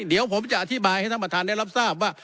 เดี๋ยวผมจะอธิบายให้ท่านประธานได้รับทราบว่า